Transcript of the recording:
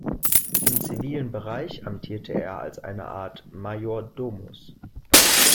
Im zivilen Bereich amtierte er als eine Art "„Maior domus“".